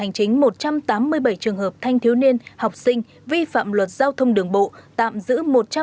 hành chính một trăm tám mươi bảy trường hợp thanh thiếu niên học sinh vi phạm luật giao thông đường bộ tạm giữ một trăm tám mươi bảy